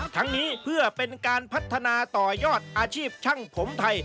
ทั้งนี้เพื่อเป็นการพัฒนาต่อยอดอาชีพช่างผมไทย